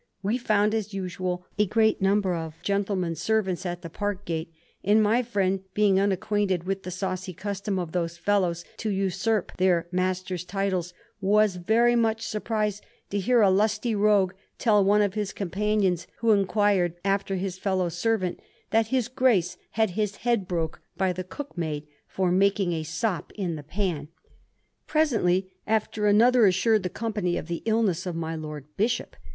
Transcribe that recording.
We found, as usual, a great number of gentlemen's servants at the park gate, and my fiiend, beings unacquainted with the saucy custom of those fellows to usurp their masters' titles, was very much sur prised to hear a lusty rogue tell one of his com panions who inquired aftier his fellow servant that his Grace had his head broke by the cook maid for makings a sop in the pan.' Presently aft; er another assured the company of the illness of my lord bishop.